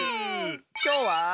きょうは。